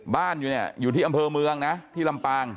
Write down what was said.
บ้านอยู่เนี่ยอยู่ที่อำเภอเมืองนะที่ลำปาง